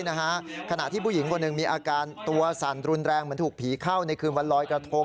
สถานะที่ผู้หญิงคนตัวสันแบบผีเข้าในคืนวันรอยกระทง